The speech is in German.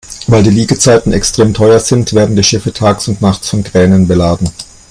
Weil die Liegezeiten extrem teuer sind, werden die Schiffe tags und nachts von Kränen beladen.